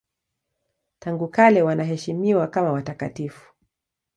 Tangu kale wanaheshimiwa kama watakatifu.